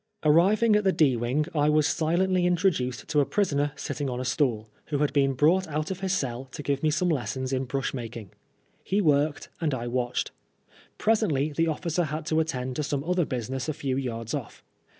Arriving at the D wing, I was silently introduced to a prisoner sitting on a stool, who had been brought out of his cell to give me lessons in brush making. He worked and I watched. Presently the officer had to attend to some other business a few yards off.